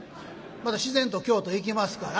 また自然と京都へ行きますから。